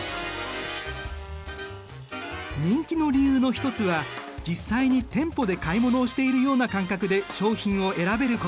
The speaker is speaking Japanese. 人気の理由の一つは実際に店舗で買い物をしているような感覚で商品を選べること。